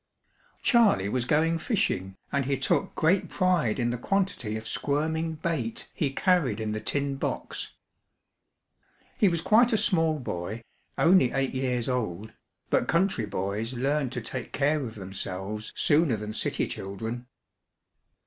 Charley was going fishing and he took great pride in the quantity of squirming bait he carried in the tin box. He was quite a small boy, only eight years old, but country boys learn to take care of themselves sooner than city children.